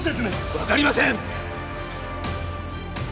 分かりません！